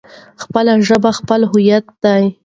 خپله ژبه خپله هويت دی.